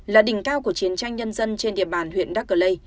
là đỉnh cao của chiến tranh nhân dân trên địa bàn huyện đắc lê